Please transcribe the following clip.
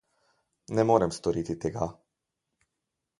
Ne morem storiti tega.